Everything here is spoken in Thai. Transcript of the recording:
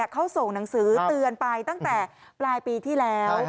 เขาส่งหนังสือเตือนไปตั้งแต่ปลายปีที่แล้ว